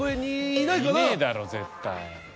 いねえだろ絶対。